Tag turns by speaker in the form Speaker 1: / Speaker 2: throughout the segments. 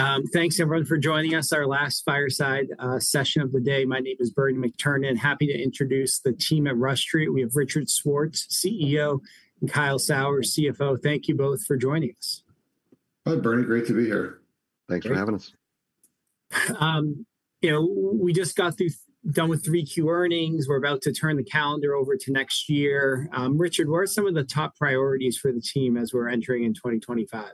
Speaker 1: Great. Thanks, everyone, for joining us. Our last Fireside session of the day. My name is Bernie McTernan. Happy to introduce the team at Rush Street. We have Richard Schwartz, CEO, and Kyle Sauers, CFO. Thank you both for joining us.
Speaker 2: Hi, Bernie. Great to be here.
Speaker 3: Thanks for having us.
Speaker 1: You know, we just got done with Q3 earnings. We're about to turn the calendar over to next year. Richard, what are some of the top priorities for the team as we're entering 2025?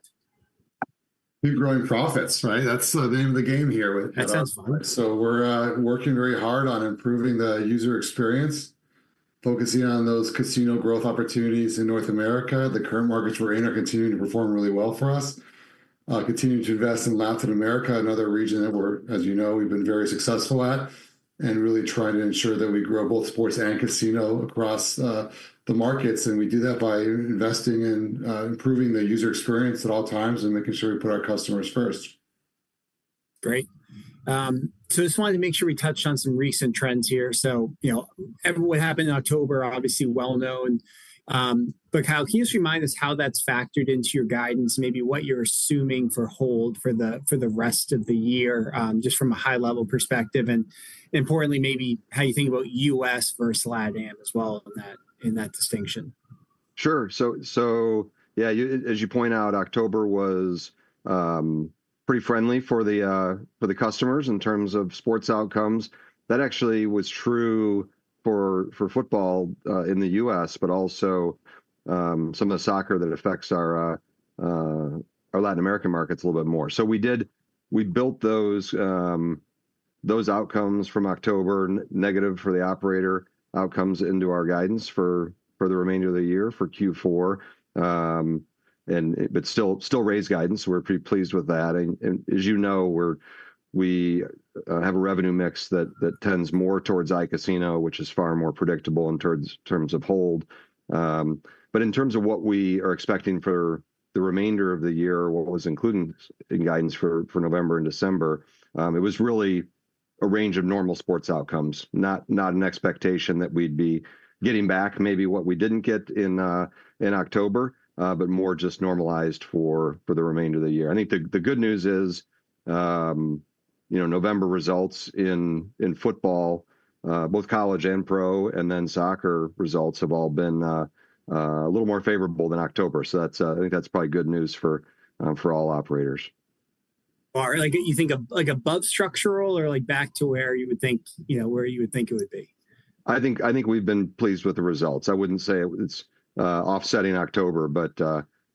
Speaker 2: We're growing profits, right? That's the name of the game here.
Speaker 1: That sounds fun.
Speaker 2: So we're working very hard on improving the user experience, focusing on those casino growth opportunities in North America. The current markets we're in are continuing to perform really well for us, continuing to invest in Latin America, another region that we're, as you know, we've been very successful at, and really trying to ensure that we grow both sports and casino across the markets, and we do that by investing in improving the user experience at all times and making sure we put our customers first.
Speaker 1: Great. So I just wanted to make sure we touched on some recent trends here. So, you know, what happened in October, obviously well known. But Kyle, can you just remind us how that's factored into your guidance, maybe what you're assuming for hold for the rest of the year, just from a high-level perspective? And importantly, maybe how you think about U.S. versus Latin America as well in that distinction.
Speaker 3: Sure. So, yeah, as you point out, October was pretty friendly for the customers in terms of sports outcomes. That actually was true for football in the U.S., but also some of the soccer that affects our Latin American markets a little bit more. So we built those outcomes from October, negative for the operator outcomes, into our guidance for the remainder of the year for Q4. But still raised guidance. We're pretty pleased with that. And as you know, we have a revenue mix that tends more towards iCasino, which is far more predictable in terms of hold. But in terms of what we are expecting for the remainder of the year, what was included in guidance for November and December, it was really a range of normal sports outcomes, not an expectation that we'd be getting back maybe what we didn't get in October, but more just normalized for the remainder of the year. I think the good news is, you know, November results in football, both college and pro, and then soccer results have all been a little more favorable than October. So I think that's probably good news for all operators.
Speaker 1: All right. You think above structural or back to where you would think, you know, it would be?
Speaker 3: I think we've been pleased with the results. I wouldn't say it's offsetting October, but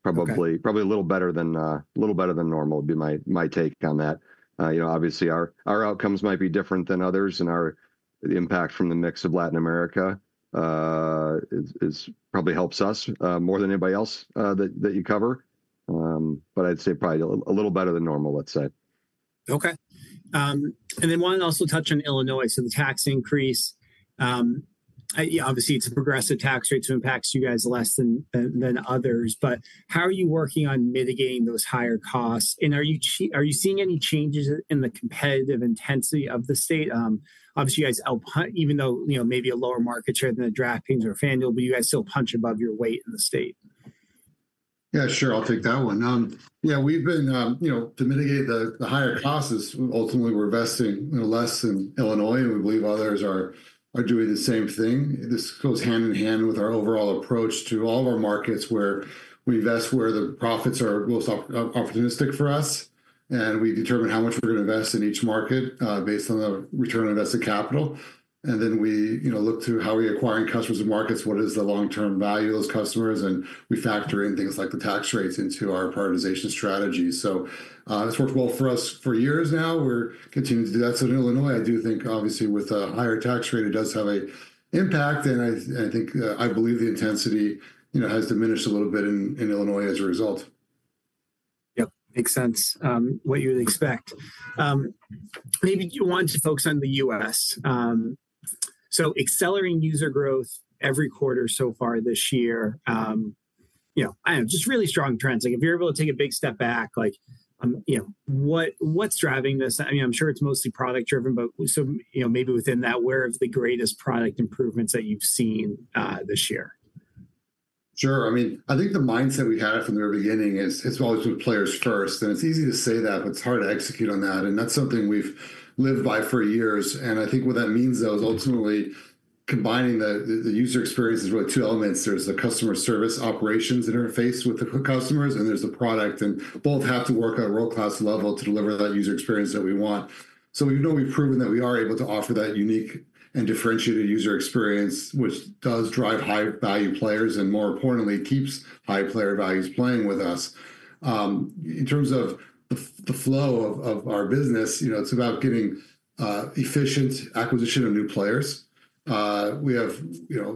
Speaker 3: probably a little better than normal would be my take on that. You know, obviously, our outcomes might be different than others, and the impact from the mix of Latin America probably helps us more than anybody else that you cover. But I'd say probably a little better than normal, let's say.
Speaker 1: Okay. And then wanted to also touch on Illinois. So the tax increase, obviously, it's a progressive tax rate so it impacts you guys less than others. But how are you working on mitigating those higher costs? And are you seeing any changes in the competitive intensity of the state? Obviously, you guys punch, even though, you know, maybe a lower market share than the DraftKings or FanDuel, but you guys still punch above your weight in the state.
Speaker 2: Yeah, sure. I'll take that one. Yeah, we've been, you know, to mitigate the higher costs, ultimately, we're investing less in Illinois, and we believe others are doing the same thing. This goes hand in hand with our overall approach to all of our markets where we invest where the profits are most opportunistic for us, and we determine how much we're going to invest in each market based on the return on invested capital, and then we look to how we acquire customers and markets, what is the long-term value of those customers, and we factor in things like the tax rates into our prioritization strategy, so it's worked well for us for years now. We're continuing to do that, so in Illinois, I do think, obviously, with a higher tax rate, it does have an impact. I think, I believe the intensity has diminished a little bit in Illinois as a result.
Speaker 1: Yep. Makes sense, what you'd expect. Maybe you want to focus on the U.S. So, accelerating user growth every quarter so far this year. You know, I don't know, just really strong trends. Like, if you're able to take a big step back, like, you know, what's driving this? I mean, I'm sure it's mostly product-driven, but so, you know, maybe within that, where are the greatest product improvements that you've seen this year?
Speaker 2: Sure. I mean, I think the mindset we had from the very beginning is it's always with players first. And it's easy to say that, but it's hard to execute on that. And that's something we've lived by for years. And I think what that means, though, is ultimately combining the user experience is really two elements. There's the customer service operations interface with the customers, and there's the product. And both have to work at a world-class level to deliver that user experience that we want. So we've proven that we are able to offer that unique and differentiated user experience, which does drive high-value players and, more importantly, keeps high-player values playing with us. In terms of the flow of our business, you know, it's about getting efficient acquisition of new players. We have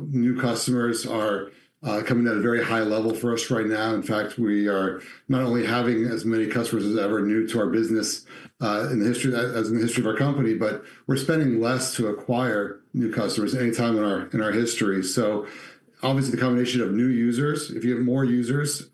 Speaker 2: new customers coming at a very high level for us right now. In fact, we are not only having as many customers as ever new to our business in the history of our company, but we're spending less to acquire new customers any time in our history. So obviously, the combination of new users, if you have more users,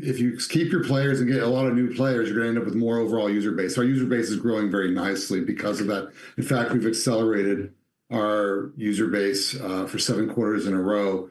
Speaker 2: if you keep your players and get a lot of new players, you're going to end up with more overall user base. Our user base is growing very nicely because of that. In fact, we've accelerated our user base for seven quarters in a row,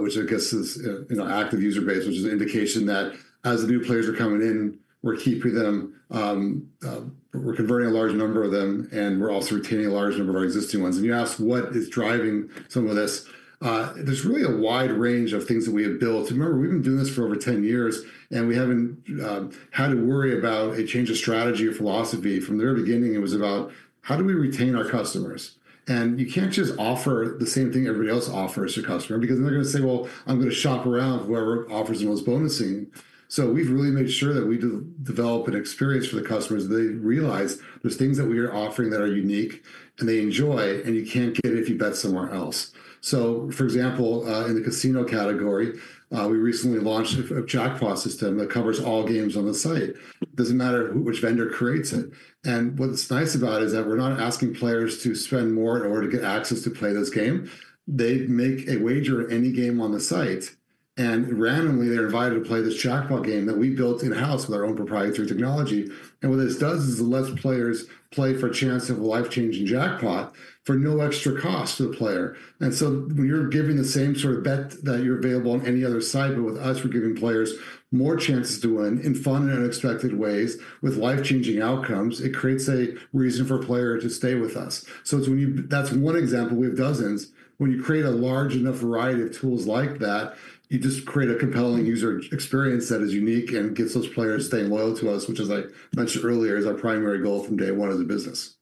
Speaker 2: which, I guess, is an active user base, which is an indication that as the new players are coming in, we're keeping them, we're converting a large number of them, and we're also retaining a large number of our existing ones. And you ask what is driving some of this. There's really a wide range of things that we have built. Remember, we've been doing this for over 10 years, and we haven't had to worry about a change of strategy or philosophy. From the very beginning, it was about how do we retain our customers? And you can't just offer the same thing everybody else offers your customer because they're going to say, well, I'm going to shop around for whoever offers the most bonusing. So we've really made sure that we develop an experience for the customers that they realize there's things that we are offering that are unique and they enjoy, and you can't get it if you bet somewhere else. So, for example, in the casino category, we recently launched a Jackpot system that covers all games on the site. It doesn't matter which vendor creates it. And what's nice about it is that we're not asking players to spend more in order to get access to play this game. They make a wager on any game on the site, and randomly, they're invited to play this jackpot game that we built in-house with our own proprietary technology. And what this does is lets players play for a chance of a life-changing jackpot for no extra cost to the player. And so when you're giving the same sort of bet that you're available on any other site, but with us, we're giving players more chances to win in fun and unexpected ways with life-changing outcomes, it creates a reason for a player to stay with us. So that's one example. We have dozens. When you create a large enough variety of tools like that, you just create a compelling user experience that is unique and gets those players staying loyal to us, which, as I mentioned earlier, is our primary goal from day one as a business.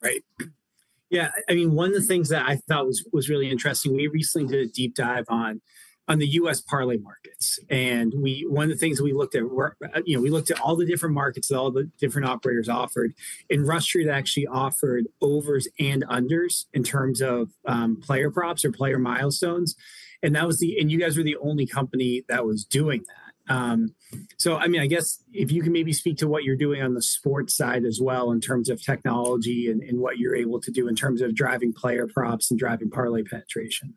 Speaker 1: Right. Yeah. I mean, one of the things that I thought was really interesting, we recently did a deep dive on the U.S. parlay markets. And one of the things that we looked at, you know, we looked at all the different markets that all the different operators offered. And Rush Street actually offered overs and unders in terms of player props or player milestones. And you guys were the only company that was doing that. So, I mean, I guess if you can maybe speak to what you're doing on the sports side as well in terms of technology and what you're able to do in terms of driving player props and driving parlay penetration.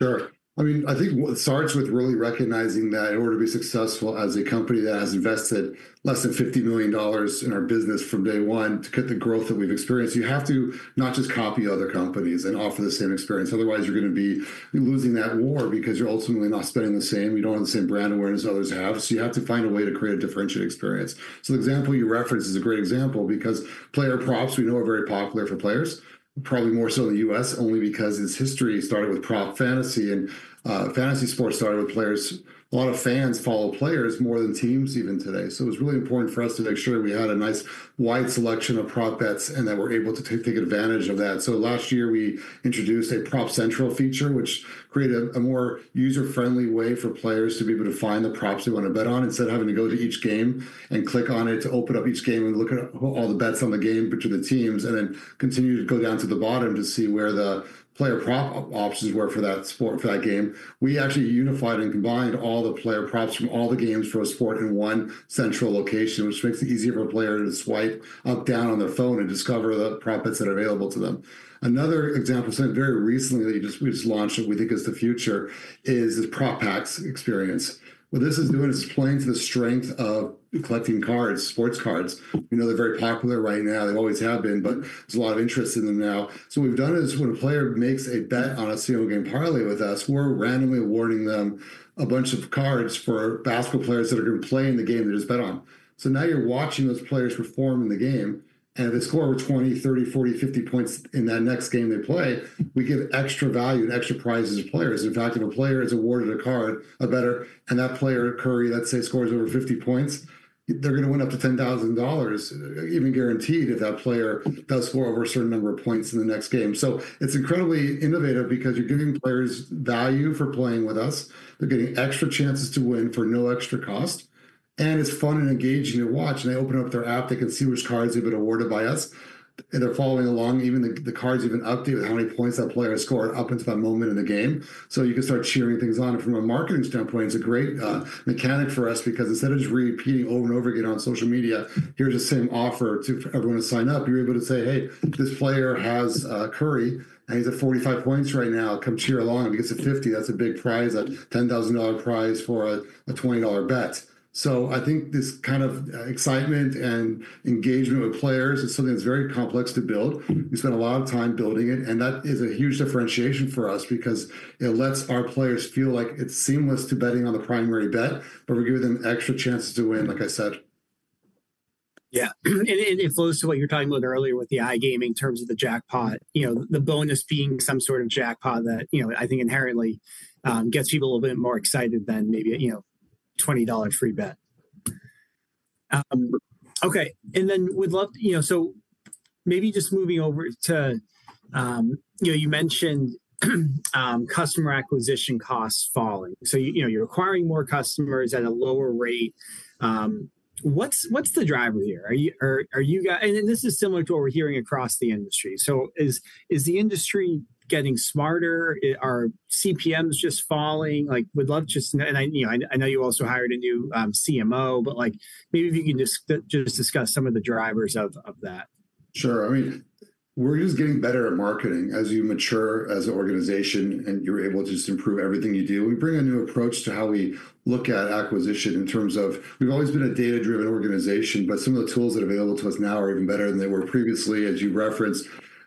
Speaker 2: Sure. I mean, I think it starts with really recognizing that in order to be successful as a company that has invested less than $50 million in our business from day one to get the growth that we've experienced, you have to not just copy other companies and offer the same experience. Otherwise, you're going to be losing that war because you're ultimately not spending the same. You don't have the same brand awareness others have. So you have to find a way to create a differentiated experience. So the example you referenced is a great example because player props, we know, are very popular for players, probably more so in the U.S., only because its history started with prop fantasy. And fantasy sports started with players. A lot of fans follow players more than teams even today. So it was really important for us to make sure we had a nice wide selection of prop bets and that we're able to take advantage of that. So last year, we introduced a Prop Central feature, which created a more user-friendly way for players to be able to find the props they want to bet on instead of having to go to each game and click on it to open up each game and look at all the bets on the game between the teams and then continue to go down to the bottom to see where the player prop options were for that game. We actually unified and combined all the player props from all the games for a sport in one central location, which makes it easier for players to swipe up, down on their phone and discover the prop bets that are available to them. Another example very recently that we just launched, and we think is the future, is this Prop Packs experience. What this is doing is playing to the strength of collecting cards, sports cards. We know they're very popular right now. They always have been, but there's a lot of interest in them now. So what we've done is when a player makes a bet on a Single Game Parlay with us, we're randomly awarding them a bunch of cards for basketball players that are going to play in the game they just bet on. So now you're watching those players perform in the game. And if they score over 20, 30, 40, 50 points in that next game they play, we give extra value and extra prizes to players. In fact, if a player is awarded a card, a bettor, and that player, Curry, let's say, scores over 50 points, they're going to win up to $10,000, even guaranteed if that player does score over a certain number of points in the next game. So it's incredibly innovative because you're giving players value for playing with us. They're getting extra chances to win for no extra cost. And it's fun and engaging to watch. And they open up their app, they can see which cards have been awarded by us, and they're following along. Even the cards update with how many points that player scored up until that moment in the game. So you can start cheering things on. From a marketing standpoint, it's a great mechanic for us because instead of just repeating over and over again on social media, here's the same offer for everyone to sign up. You're able to say, "Hey, this player has Curry, and he's at 45 points right now. Come cheer along. If he gets a 50, that's a big prize, a $10,000 prize for a $20 bet." So I think this kind of excitement and engagement with players is something that's very complex to build. We spent a lot of time building it, and that is a huge differentiation for us because it lets our players feel like it's seamless to betting on the primary bet, but we give them extra chances to win, like I said.
Speaker 1: Yeah. And it flows to what you're talking about earlier with the iGaming in terms of the jackpot, you know, the bonus being some sort of jackpot that, you know, I think inherently gets people a little bit more excited than maybe, you know, a $20 free bet. Okay. And then we'd love, you know, so maybe just moving over to, you know, you mentioned customer acquisition costs falling. So, you know, you're acquiring more customers at a lower rate. What's the driver here? And this is similar to what we're hearing across the industry. So is the industry getting smarter? Are CPMs just falling? Like, we'd love to just know. And I know you also hired a new CMO, but like maybe if you can just discuss some of the drivers of that.
Speaker 2: Sure. I mean, we're just getting better at marketing as you mature as an organization and you're able to just improve everything you do. We bring a new approach to how we look at acquisition in terms of we've always been a data-driven organization, but some of the tools that are available to us now are even better than they were previously. As you referenced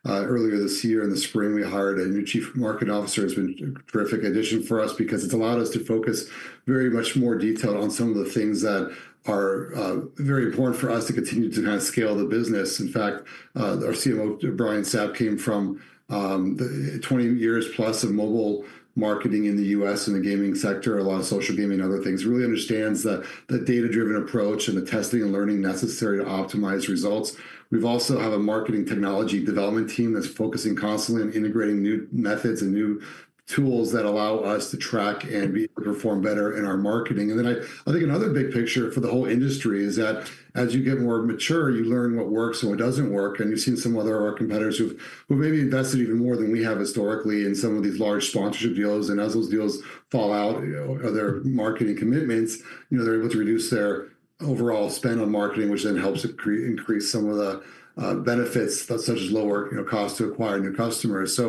Speaker 2: earlier this year in the spring, we hired a new Chief Marketing Officer. It's been a terrific addition for us because it's allowed us to focus very much more detailed on some of the things that are very important for us to continue to kind of scale the business. In fact, our CMO, Brian Sapp, came from 20 years plus of mobile marketing in the U.S. and the gaming sector, a lot of social gaming and other things. He really understands the data-driven approach and the testing and learning necessary to optimize results. We also have a marketing technology development team that's focusing constantly on integrating new methods and new tools that allow us to track and be able to perform better in our marketing. And then I think another big picture for the whole industry is that as you get more mature, you learn what works and what doesn't work. And you've seen some of our competitors who've maybe invested even more than we have historically in some of these large sponsorship deals. And as those deals fall out, other marketing commitments, you know, they're able to reduce their overall spend on marketing, which then helps increase some of the benefits, such as lower costs to acquire new customers.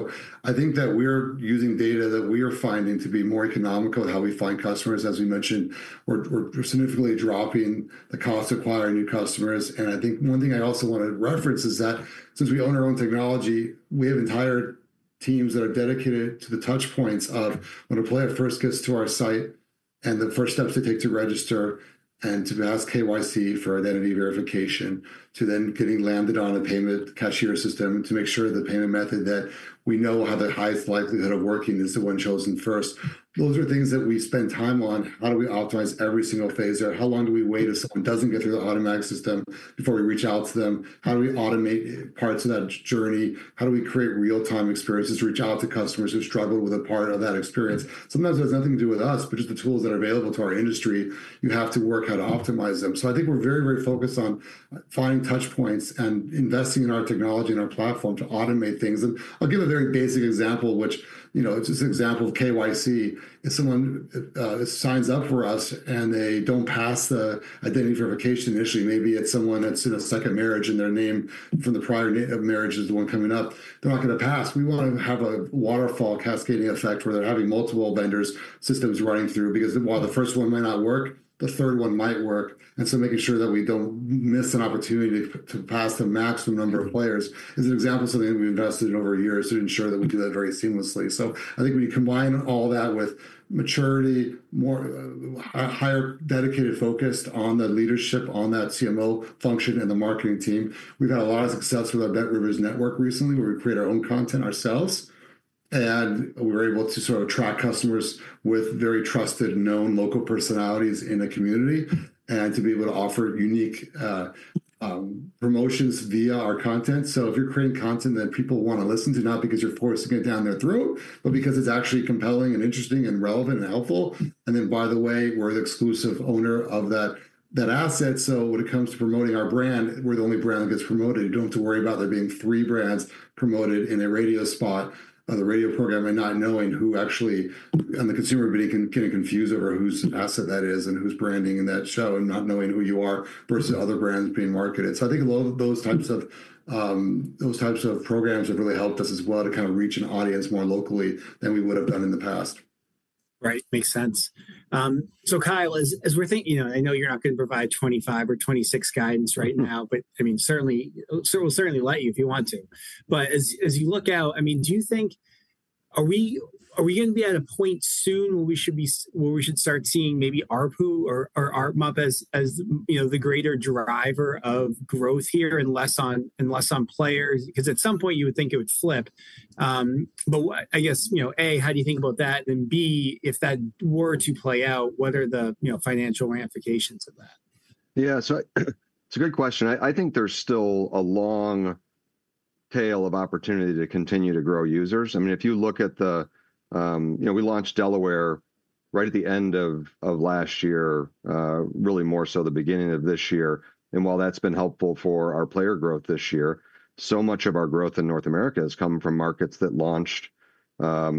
Speaker 2: I think that we're using data that we are finding to be more economical in how we find customers. As we mentioned, we're significantly dropping the cost of acquiring new customers. I think one thing I also want to reference is that since we own our own technology, we have entire teams that are dedicated to the touch points of when a player first gets to our site and the first steps they take to register and to ask KYC for identity verification, to then getting landed on a payment cashier system to make sure the payment method that we know has the highest likelihood of working is the one chosen first. Those are things that we spend time on. How do we optimize every single phase? How long do we wait if someone doesn't get through the automatic system before we reach out to them? How do we automate parts of that journey? How do we create real-time experiences to reach out to customers who struggle with a part of that experience? Sometimes it has nothing to do with us, but just the tools that are available to our industry. You have to work how to optimize them. So I think we're very, very focused on finding touch points and investing in our technology and our platform to automate things. And I'll give a very basic example, which, you know, it's an example of KYC. If someone signs up for us and they don't pass the identity verification initially, maybe it's someone that's in a second marriage and their name from the prior marriage is the one coming up, they're not going to pass. We want to have a waterfall cascading effect where they're having multiple vendors' systems running through because while the first one might not work, the third one might work, and so making sure that we don't miss an opportunity to pass the maximum number of players is an example of something that we've invested in over years to ensure that we do that very seamlessly, so I think when you combine all that with maturity, a higher dedicated focus on the leadership, on that CMO function and the marketing team, we've had a lot of success with our BetRivers network recently where we create our own content ourselves, and we're able to sort of attract customers with very trusted, known local personalities in the community and to be able to offer unique promotions via our content. So, if you're creating content that people want to listen to, not because you're forcing it down their throat, but because it's actually compelling and interesting and relevant and helpful, and then, by the way, we're the exclusive owner of that asset. So when it comes to promoting our brand, we're the only brand that gets promoted. You don't have to worry about there being three brands promoted in a radio spot on the radio program and not knowing who actually, on the consumer being, can get confused over whose asset that is and who's branding in that show and not knowing who you are versus other brands being marketed. So I think a lot of those types of programs have really helped us as well to kind of reach an audience more locally than we would have done in the past.
Speaker 1: Right. Makes sense. So, Kyle, as we're thinking, you know, I know you're not going to provide 2025 or 2026 guidance right now, but I mean, certainly, we'll certainly let you if you want to. But as you look out, I mean, do you think are we going to be at a point soon where we should start seeing maybe ARPU or ARPMUP as the greater driver of growth here and less on players? Because at some point, you would think it would flip. But I guess, you know, A, how do you think about that? And B, if that were to play out, what are the financial ramifications of that?
Speaker 3: Yeah, so it's a great question. I think there's still a long tail of opportunity to continue to grow users. I mean, if you look at the, you know, we launched Delaware right at the end of last year, really more so the beginning of this year, and while that's been helpful for our player growth this year, so much of our growth in North America has come from markets that launched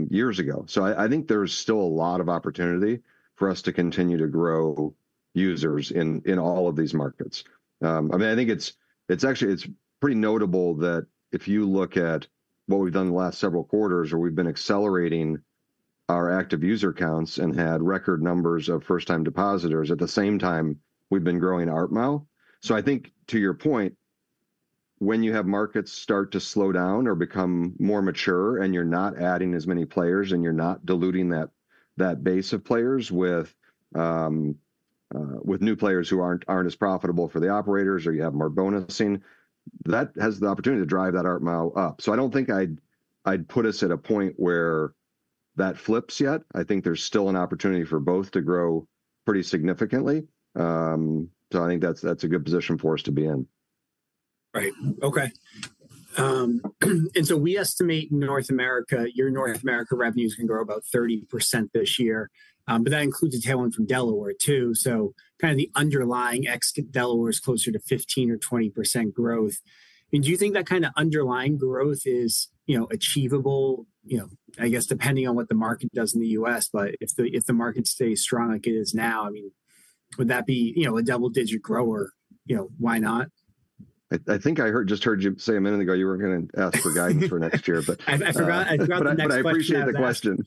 Speaker 3: years ago, so I think there's still a lot of opportunity for us to continue to grow users in all of these markets. I mean, I think it's actually, it's pretty notable that if you look at what we've done the last several quarters, where we've been accelerating our active user counts and had record numbers of first-time depositors, at the same time, we've been growing ARPMUP. So I think to your point, when you have markets start to slow down or become more mature and you're not adding as many players and you're not diluting that base of players with new players who aren't as profitable for the operators or you have more bonusing, that has the opportunity to drive that ARPMUP up. So I don't think I'd put us at a point where that flips yet. I think there's still an opportunity for both to grow pretty significantly. So I think that's a good position for us to be in.
Speaker 1: Right. Okay. And so we estimate North America, your North America revenues can grow about 30% this year. But that includes a tailwind from Delaware too. So kind of the underlying ex-Delaware is closer to 15%-20% growth. I mean, do you think that kind of underlying growth is achievable? You know, I guess depending on what the market does in the U.S., but if the market stays strong like it is now, I mean, would that be a double-digit grower? You know, why not?
Speaker 3: I think I just heard you say a minute ago you were going to ask for guidance for next year, but I appreciate the question.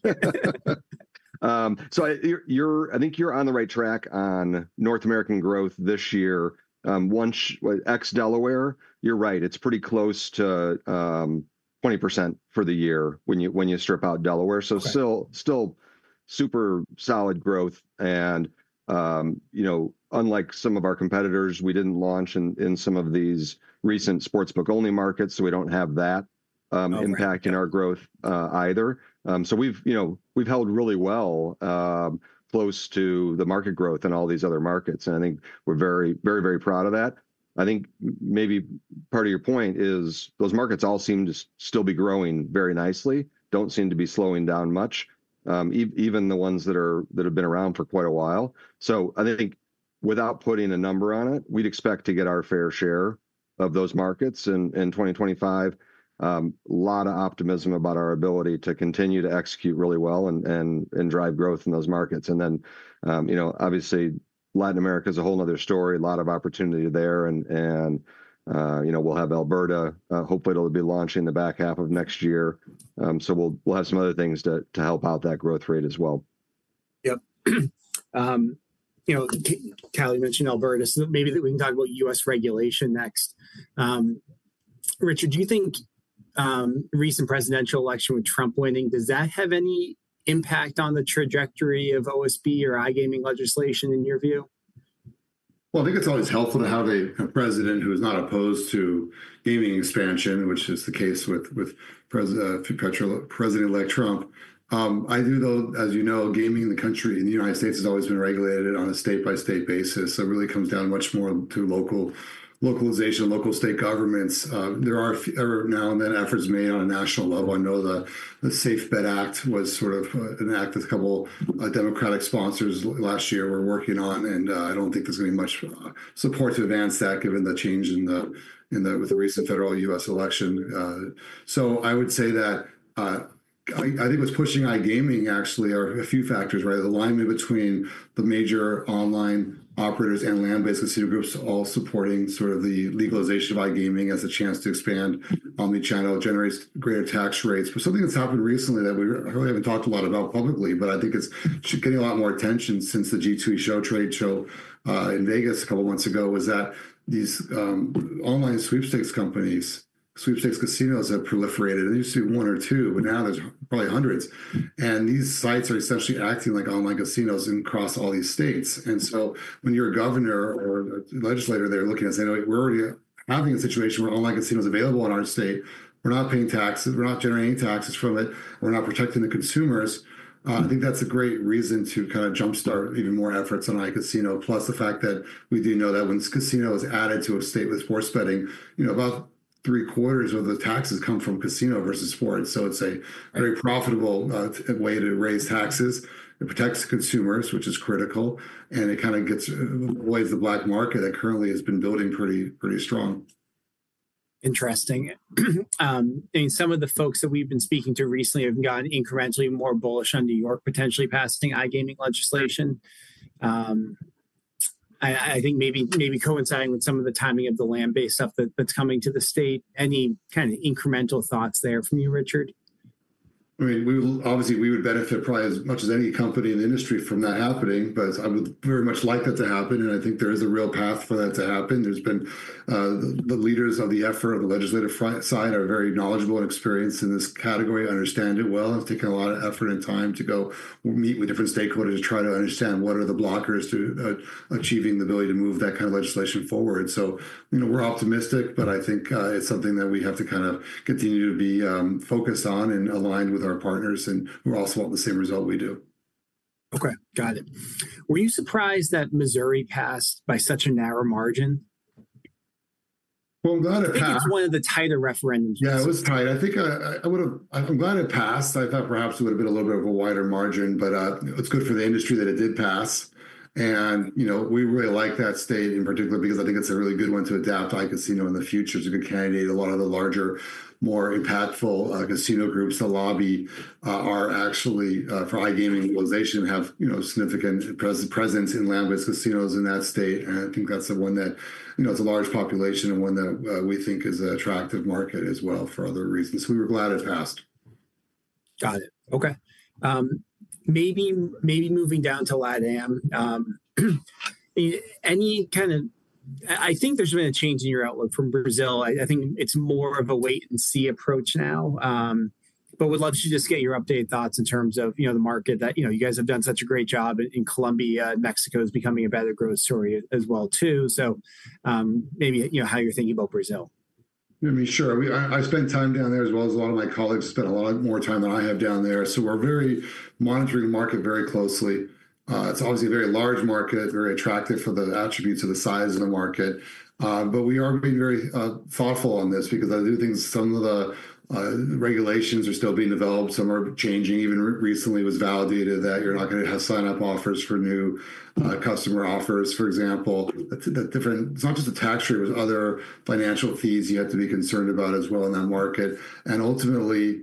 Speaker 3: So I think you're on the right track on North American growth this year. Ex-Delaware, you're right. It's pretty close to 20% for the year when you strip out Delaware. So still super solid growth. And, you know, unlike some of our competitors, we didn't launch in some of these recent sportsbook-only markets, so we don't have that impact in our growth either. So we've held really well close to the market growth in all these other markets. And I think we're very, very, very proud of that. I think maybe part of your point is those markets all seem to still be growing very nicely, don't seem to be slowing down much, even the ones that have been around for quite a while. So I think without putting a number on it, we'd expect to get our fair share of those markets in 2025. A lot of optimism about our ability to continue to execute really well and drive growth in those markets. And then, you know, obviously, Latin America is a whole nother story, a lot of opportunity there. And, you know, we'll have Alberta. Hopefully, it'll be launching the back half of next year. So we'll have some other things to help out that growth rate as well.
Speaker 1: Yep. You know, Kyle, you mentioned Alberta. So maybe that we can talk about U.S. regulation next. Richard, do you think the recent presidential election with Trump winning, does that have any impact on the trajectory of OSB or iGaming legislation in your view?
Speaker 2: I think it's always helpful to have a president who is not opposed to gaming expansion, which is the case with President-elect Trump. I do, though, as you know, gaming in the country, in the United States, has always been regulated on a state-by-state basis. It really comes down much more to localization, local state governments. There are now and then efforts made on a national level. I know the Safe Bet Act was sort of an act that a couple of Democratic sponsors last year were working on. And I don't think there's going to be much support to advance that given the change in the recent federal U.S. election. I would say that I think what's pushing iGaming actually are a few factors, right? The alignment between the major online operators and land-based consumer groups all supporting sort of the legalization of iGaming as a chance to expand omnichannel generates greater tax rates. But something that's happened recently that we really haven't talked a lot about publicly, but I think it's getting a lot more attention since the G2E trade show in Vegas a couple of months ago was that these online sweepstakes companies, sweepstakes casinos have proliferated. And you see one or two, but now there's probably hundreds. And these sites are essentially acting like online casinos across all these states. And so when you're a governor or legislator, they're looking at saying, "We're already having a situation where online casino is available in our state. We're not paying taxes. We're not generating any taxes from it. We're not protecting the consumers." I think that's a great reason to kind of jumpstart even more efforts on iCasino. Plus the fact that we do know that when a casino is added to a state with sports betting, you know, about three quarters of the taxes come from casino versus sports. So it's a very profitable way to raise taxes. It protects consumers, which is critical. And it kind of gets away from the black market that currently has been building pretty strong.
Speaker 1: Interesting. I mean, some of the folks that we've been speaking to recently have gotten incrementally more bullish on New York potentially passing iGaming legislation. I think maybe coinciding with some of the timing of the land-based stuff that's coming to the state. Any kind of incremental thoughts there from you, Richard?
Speaker 2: I mean, obviously, we would benefit probably as much as any company in the industry from that happening. But I would very much like that to happen. And I think there is a real path for that to happen. There's been the leaders of the effort on the legislative side are very knowledgeable and experienced in this category, understand it well. And it's taken a lot of effort and time to go meet with different stakeholders to try to understand what are the blockers to achieving the ability to move that kind of legislation forward. So, you know, we're optimistic, but I think it's something that we have to kind of continue to be focused on and aligned with our partners and who also want the same result we do.
Speaker 1: Okay. Got it. Were you surprised that Missouri passed by such a narrow margin?
Speaker 2: I'm glad it passed.
Speaker 1: I think it's one of the tighter referendums.
Speaker 2: Yeah, it was tight. I think I would have. I'm glad it passed. I thought perhaps it would have been a little bit of a wider margin, but it's good for the industry that it did pass. You know, we really like that state in particular because I think it's a really good one to adapt to iCasino in the future. It's a good candidate. A lot of the larger, more impactful casino groups that lobby are actually for iGaming legalization have, you know, significant presence in land-based casinos in that state. I think that's the one that, you know, it's a large population and one that we think is an attractive market as well for other reasons. We were glad it passed.
Speaker 1: Got it. Okay. Maybe moving down to LatAm. Any kind of, I think there's been a change in your outlook from Brazil. I think it's more of a wait-and-see approach now. But would love to just get your updated thoughts in terms of, you know, the market that, you know, you guys have done such a great job in Colombia. Mexico is becoming a better growth story as well too. So maybe, you know, how you're thinking about Brazil.
Speaker 2: I mean, sure. I spent time down there as well as a lot of my colleagues spent a lot more time than I have down there. So we're very monitoring the market very closely. It's obviously a very large market, very attractive for the attributes of the size of the market. But we are being very thoughtful on this because I do think some of the regulations are still being developed. Some are changing. Even recently was validated that you're not going to have sign-up offers for new customer offers, for example. It's not just a tax rate. There's other financial fees you have to be concerned about as well in that market. And ultimately,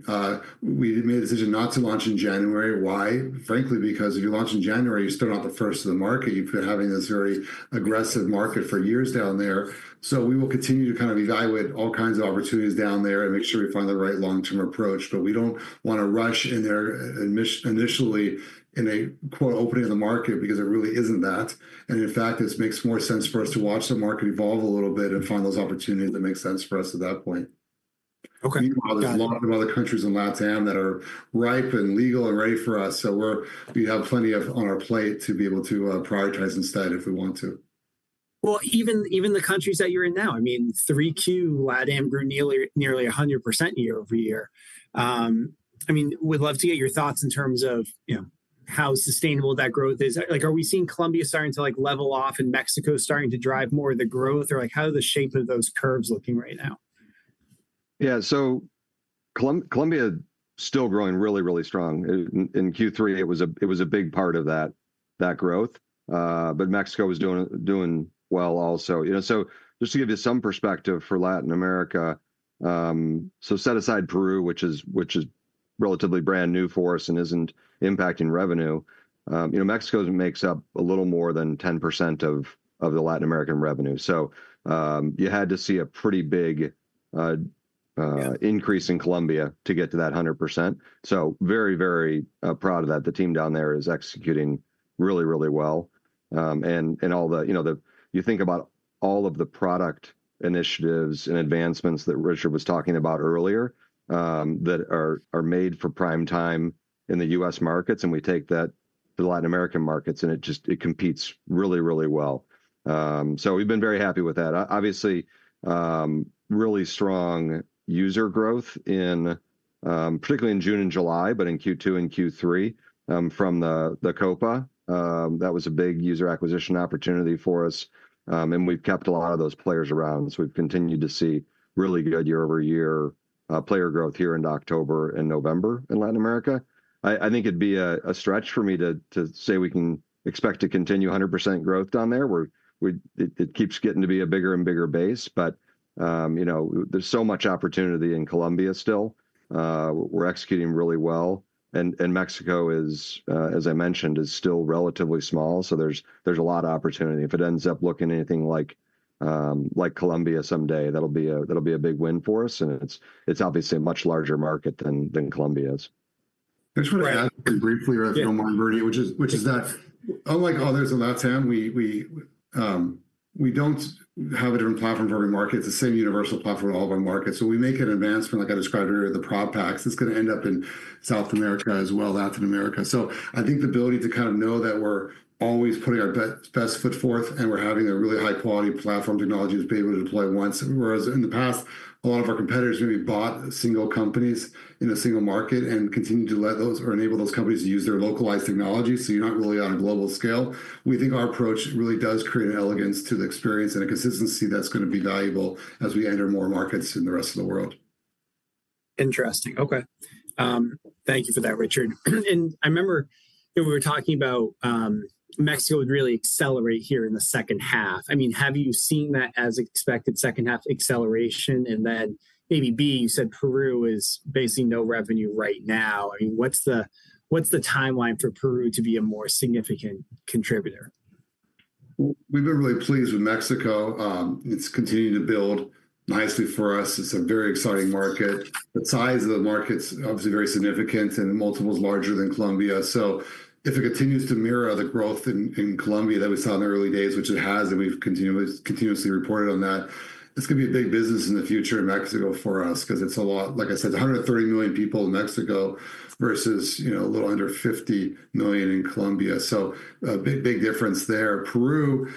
Speaker 2: we made a decision not to launch in January. Why? Frankly, because if you launch in January, you're still not the first of the market. You've been having this very aggressive market for years down there. So we will continue to kind of evaluate all kinds of opportunities down there and make sure we find the right long-term approach. But we don't want to rush in there initially in a, quote, opening of the market because it really isn't that. And in fact, this makes more sense for us to watch the market evolve a little bit and find those opportunities that make sense for us at that point.
Speaker 1: Okay.
Speaker 2: There's a lot of other countries in LatAm that are ripe and legal and ready for us. So we have plenty on our plate to be able to prioritize instead if we want to.
Speaker 1: Well, even the countries that you're in now. I mean, 3Q, LatAm grew nearly 100% year-over-year. I mean, we'd love to get your thoughts in terms of, you know, how sustainable that growth is. Like, are we seeing Colombia starting to, like, level off and Mexico starting to drive more of the growth? Or, like, how are the shape of those curves looking right now?
Speaker 3: Yeah. So Colombia is still growing really, really strong. In Q3, it was a big part of that growth. But Mexico was doing well also. You know, so just to give you some perspective for Latin America, so set aside Peru, which is relatively brand new for us and isn't impacting revenue. You know, Mexico makes up a little more than 10% of the Latin American revenue. So you had to see a pretty big increase in Colombia to get to that 100%. So very, very proud of that. The team down there is executing really, really well. And all the, you know, you think about all of the product initiatives and advancements that Richard was talking about earlier that are made for prime time in the U.S. markets. And we take that to the Latin American markets, and it just competes really, really well. So we've been very happy with that. Obviously, really strong user growth in particular in June and July, but in Q2 and Q3 from the COPA. That was a big user acquisition opportunity for us. And we've kept a lot of those players around. So we've continued to see really good year-over-year player growth here in October and November in Latin America. I think it'd be a stretch for me to say we can expect to continue 100% growth down there. It keeps getting to be a bigger and bigger base. But, you know, there's so much opportunity in Colombia still. We're executing really well. And Mexico is, as I mentioned, is still relatively small. So there's a lot of opportunity. If it ends up looking anything like Colombia someday, that'll be a big win for us. And it's obviously a much larger market than Colombia's.
Speaker 2: I just want to add briefly about our market variety, which is that, unlike others in LatAm, we don't have a different platform for every market. It's the same universal platform for all of our markets. So we make an advancement, like I described earlier, the Prop Packs. It's going to end up in South America as well, Latin America. So I think the ability to kind of know that we're always putting our best foot forth and we're having a really high-quality platform technology to be able to deploy once. Whereas in the past, a lot of our competitors maybe bought single companies in a single market and continue to let those or enable those companies to use their localized technology. So you're not really on a global scale. We think our approach really does create an elegance to the experience and a consistency that's going to be valuable as we enter more markets in the rest of the world.
Speaker 1: Interesting. Okay. Thank you for that, Richard. And I remember, you know, we were talking about Mexico would really accelerate here in the second half. I mean, have you seen that as expected, second-half acceleration? And then maybe B, you said Peru is basically no revenue right now. I mean, what's the timeline for Peru to be a more significant contributor?
Speaker 2: We've been really pleased with Mexico. It's continuing to build nicely for us. It's a very exciting market. The size of the market's obviously very significant and multiple is larger than Colombia. So if it continues to mirror the growth in Colombia that we saw in the early days, which it has, and we've continuously reported on that, it's going to be a big business in the future in Mexico for us because it's a lot, like I said, 130 million people in Mexico versus, you know, a little under 50 million in Colombia. So a big, big difference there. Peru,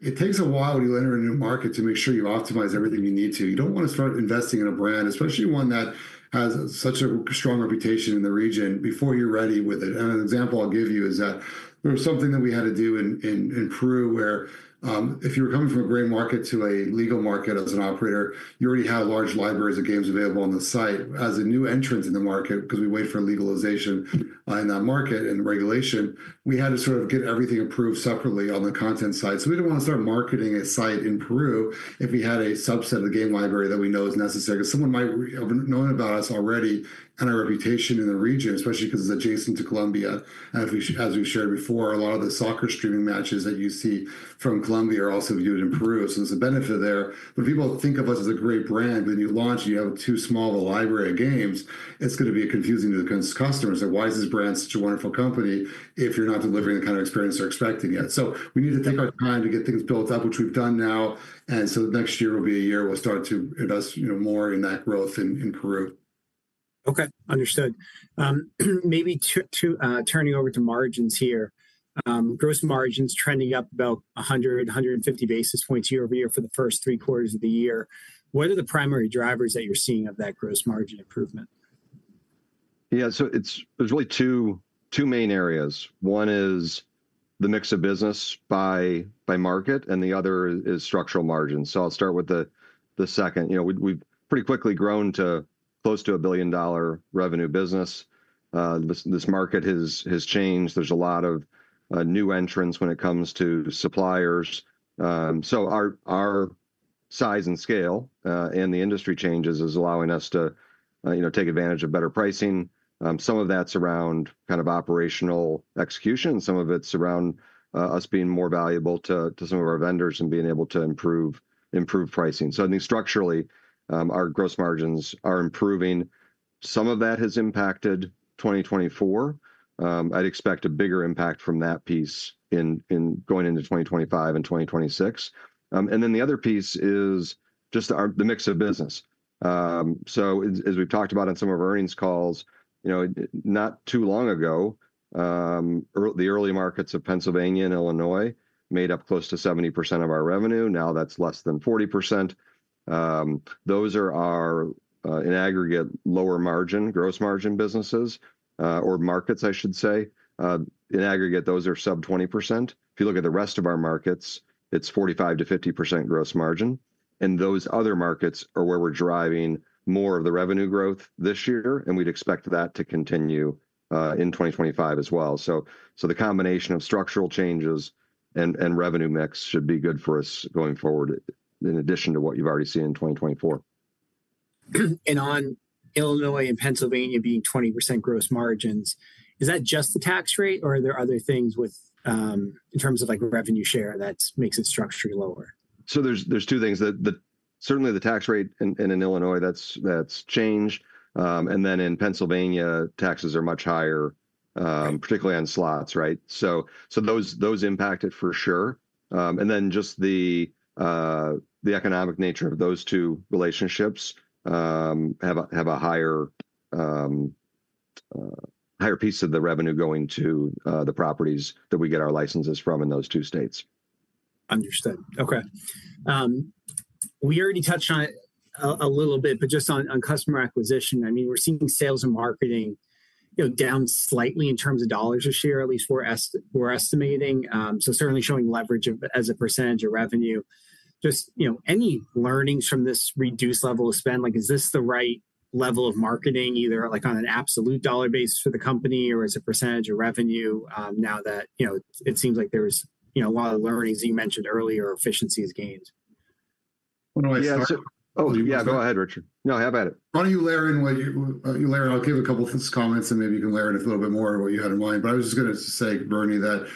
Speaker 2: it takes a while when you enter a new market to make sure you optimize everything you need to. You don't want to start investing in a brand, especially one that has such a strong reputation in the region, before you're ready with it. An example I'll give you is that there was something that we had to do in Peru where if you were coming from a gray market to a legal market as an operator, you already had large libraries of games available on the site. As a new entrant in the market, because we wait for legalization in that market and regulation, we had to sort of get everything approved separately on the content side. So we didn't want to start marketing a site in Peru if we had a subset of the game library that we know is necessary because someone might have known about us already and our reputation in the region, especially because it's adjacent to Colombia. And as we shared before, a lot of the soccer streaming matches that you see from Colombia are also viewed in Peru. So there's a benefit there. When people think of us as a great brand, when you launch and you have too small of a library of games, it's going to be confusing to the customers. Like, why is this brand such a wonderful company if you're not delivering the kind of experience they're expecting yet? So we need to take our time to get things built up, which we've done now. And so next year will be a year we'll start to invest, you know, more in that growth in Peru.
Speaker 1: Okay. Understood. Maybe turning over to margins here. Gross margins trending up about 100-150 basis points year-over-year for the first three quarters of the year. What are the primary drivers that you're seeing of that gross margin improvement?
Speaker 3: Yeah. So there's really two main areas. One is the mix of business by market, and the other is structural margins. So I'll start with the second. You know, we've pretty quickly grown to close to a $1 billion revenue business. This market has changed. There's a lot of new entrants when it comes to suppliers. So our size and scale and the industry changes is allowing us to, you know, take advantage of better pricing. Some of that's around kind of operational execution. Some of it's around us being more valuable to some of our vendors and being able to improve pricing. So I think structurally, our gross margins are improving. Some of that has impacted 2024. I'd expect a bigger impact from that piece in going into 2025 and 2026. And then the other piece is just the mix of business. So as we've talked about in some of our earnings calls, you know, not too long ago, the early markets of Pennsylvania and Illinois made up close to 70% of our revenue. Now that's less than 40%. Those are our, in aggregate, lower margin, gross margin businesses, or markets, I should say. In aggregate, those are sub 20%. If you look at the rest of our markets, it's 45%-50% gross margin. And those other markets are where we're driving more of the revenue growth this year. And we'd expect that to continue in 2025 as well. So the combination of structural changes and revenue mix should be good for us going forward in addition to what you've already seen in 2024.
Speaker 1: On Illinois and Pennsylvania being 20% gross margins, is that just the tax rate, or are there other things in terms of, like, revenue share that makes it structurally lower?
Speaker 3: So there's two things. Certainly, the tax rate in Illinois, that's changed. And then in Pennsylvania, taxes are much higher, particularly on slots, right? So those impact it for sure. And then just the economic nature of those two relationships have a higher piece of the revenue going to the properties that we get our licenses from in those two states.
Speaker 1: Understood. Okay. We already touched on it a little bit, but just on customer acquisition, I mean, we're seeing sales and marketing, you know, down slightly in terms of dollars a share, at least we're estimating. So certainly showing leverage as a percentage of revenue. Just, you know, any learnings from this reduced level of spend? Like, is this the right level of marketing, either, like, on an absolute dollar base for the company or as a percentage of revenue now that, you know, it seems like there's, you know, a lot of learnings that you mentioned earlier, efficiencies gained?
Speaker 2: Oh, yeah, go ahead, Richard. No, have at it.
Speaker 1: Why don't you, Larry?
Speaker 2: Larry, I'll give a couple of comments, and maybe you can layer in a little bit more of what you had in mind. But I was just going to say, Bernie, that,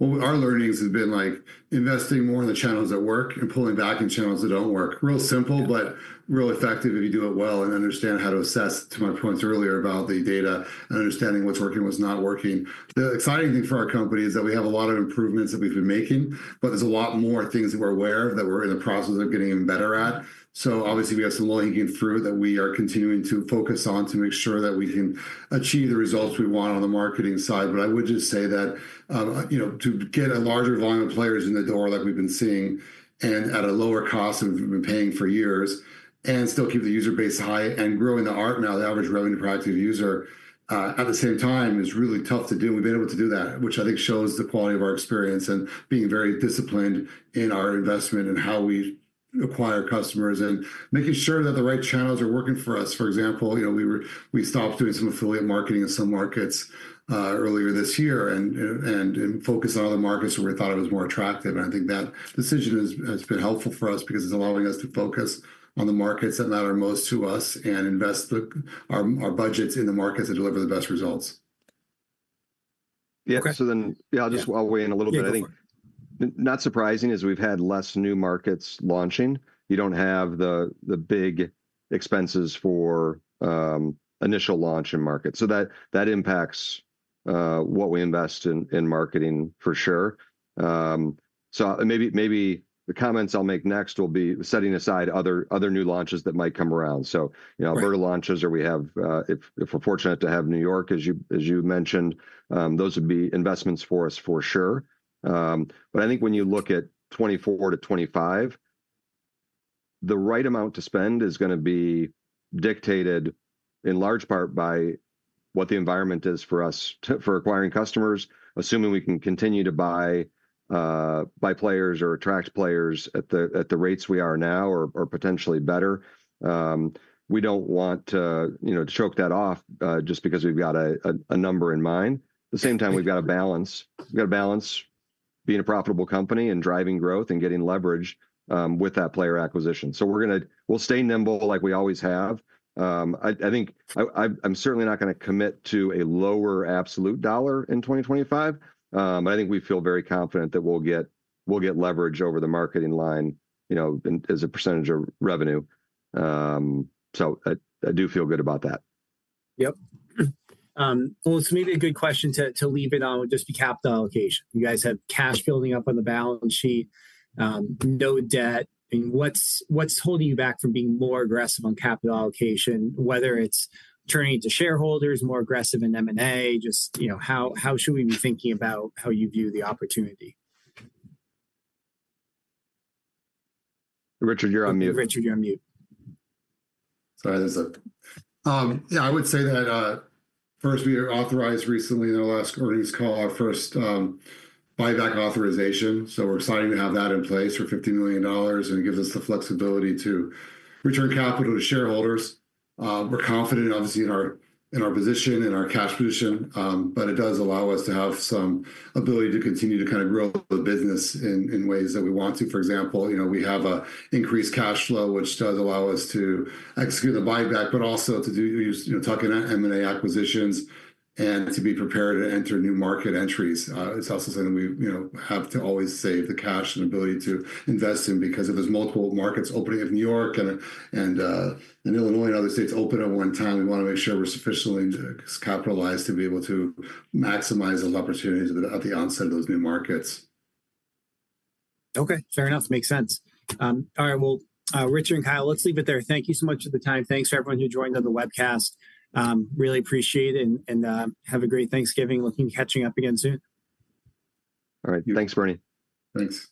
Speaker 2: well, our learnings have been, like, investing more in the channels that work and pulling back in channels that don't work. Real simple, but real effective if you do it well and understand how to assess, to my points earlier about the data and understanding what's working, what's not working. The exciting thing for our company is that we have a lot of improvements that we've been making, but there's a lot more things that we're aware of that we're in the process of getting even better at. So obviously, we have some low-hanging fruit that we are continuing to focus on to make sure that we can achieve the results we want on the marketing side. I would just say that, you know, to get a larger volume of players in the door like we've been seeing and at a lower cost than we've been paying for years and still keep the user base high and growing the ARPU, the average revenue per user at the same time is really tough to do. And we've been able to do that, which I think shows the quality of our experience and being very disciplined in our investment and how we acquire customers and making sure that the right channels are working for us. For example, you know, we stopped doing some affiliate marketing in some markets earlier this year and focused on other markets where we thought it was more attractive. I think that decision has been helpful for us because it's allowing us to focus on the markets that matter most to us and invest our budgets in the markets that deliver the best results.
Speaker 3: Yeah. So then, yeah, I'll just walk away in a little bit. Not surprising as we've had less new markets launching. You don't have the big expenses for initial launch in markets. So that impacts what we invest in marketing for sure. So maybe the comments I'll make next will be setting aside other new launches that might come around. You know, Alberta launches or we have, if we're fortunate to have New York, as you mentioned, those would be investments for us for sure. But I think when you look at 2024-2025, the right amount to spend is going to be dictated in large part by what the environment is for us for acquiring customers, assuming we can continue to buy players or attract players at the rates we are now or potentially better. We don't want to, you know, choke that off just because we've got a number in mind. At the same time, we've got a balance. We've got a balance being a profitable company and driving growth and getting leverage with that player acquisition. So we're going to, we'll stay nimble like we always have. I think I'm certainly not going to commit to a lower absolute dollar in 2025. But I think we feel very confident that we'll get leverage over the marketing line, you know, as a percentage of revenue. So I do feel good about that.
Speaker 1: Yep. Well, it's maybe a good question to leave it on, just be capital allocation. You guys have cash building up on the balance sheet, no debt. And what's holding you back from being more aggressive on capital allocation, whether it's turning to shareholders, more aggressive in M&A, just, you know, how should we be thinking about how you view the opportunity?
Speaker 3: Richard, you're on mute.
Speaker 1: Richard, you're on mute.
Speaker 2: Yeah, I would say that first, we authorized recently in our last earnings call our first buyback authorization. So we're excited to have that in place for $50 million and gives us the flexibility to return capital to shareholders. We're confident, obviously, in our position, in our cash position, but it does allow us to have some ability to continue to kind of grow the business in ways that we want to. For example, you know, we have an increased cash flow, which does allow us to execute the buyback, but also to do, you know, tuck in M&A acquisitions and to be prepared to enter new market entries. It's also something we, you know, have to always save the cash and ability to invest in because if there's multiple markets opening up in New York and Illinois and other states open at one time, we want to make sure we're sufficiently capitalized to be able to maximize those opportunities at the onset of those new markets.
Speaker 1: Okay. Fair enough. Makes sense. All right. Well, Richard and Kyle, let's leave it there. Thank you so much for the time. Thanks for everyone who joined on the webcast. Really appreciate it and have a great Thanksgiving. Looking forward to catching up again soon.
Speaker 3: All right. Thanks, Bernie.
Speaker 2: Thanks.